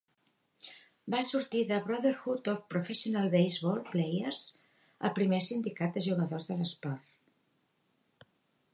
Va sortir de Brotherhood of Professional Base-Ball Players, el primer sindicat de jugadors de l'esport.